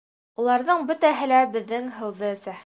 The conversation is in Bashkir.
Уларҙың бөтәһе лә беҙҙең һыуҙы эсә.